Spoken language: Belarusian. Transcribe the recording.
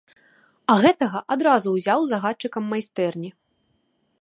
А гэтага адразу ўзяў загадчыкам майстэрні.